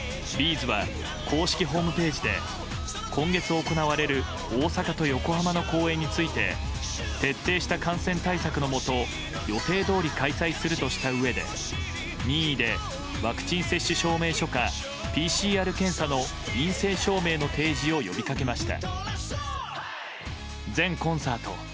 ’ｚは公式ホームページで今月行われる大阪と横浜の公演について徹底した感染対策のもと予定どおり開催するとしたうえで任意でワクチン接種証明書かＰＣＲ検査の陰性証明の提示を呼びかけました。